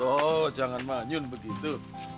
ayo toh jangan manyun begitu